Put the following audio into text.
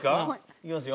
いきますよ。